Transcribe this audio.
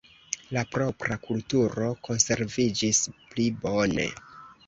La propra kulturo konserviĝis pli bone.